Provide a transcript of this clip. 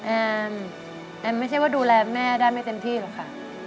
แอมแอมไม่ใช่ว่าดูแลแม่ได้ไม่เต็มที่หรอกค่ะ